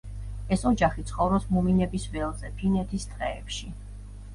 ეს ოჯახი ცხოვრობს მუმინების ველზე, ფინეთის ტყეებში.